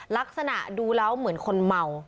ลักษณะดูแล้วเหมือนคนเมา